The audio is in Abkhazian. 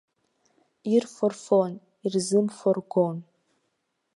Ирфо рфон, ирзымфо ргон.